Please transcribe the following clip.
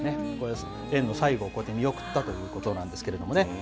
園の最後をこうやって見送ったということなんですけれどもね。